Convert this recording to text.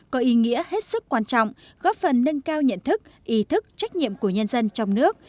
có ý nghĩa hết sức quan trọng góp phần nâng cao nhận thức ý thức trách nhiệm của nhân dân trong nước